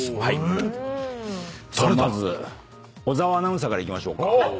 さあまず小澤アナウンサーからいきましょうか。